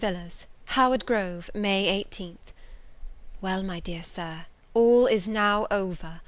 VILLARS Howard Grove, May 18. WELL, my dear Sir, all is now over!